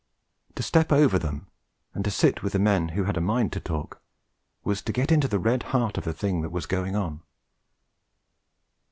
To step over them, and to sit with the men who had a mind to talk, was to get into the red heart of the thing that was going on.